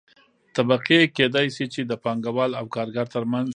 طبقې کيدى شي چې د پانګه وال او کارګر ترمنځ